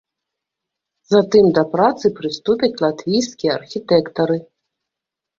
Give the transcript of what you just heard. Затым да працы прыступяць латвійскія архітэктары.